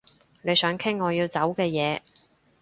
你想傾我要走嘅嘢